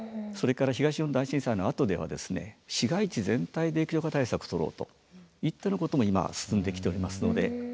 それから東日本大震災のあとでは市街地全体で液状化対策を取ろうといったようなことも今進んできておりますので。